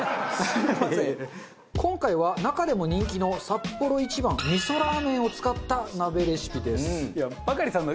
今回は中でも人気のサッポロ一番みそラーメンを使った鍋レシピです。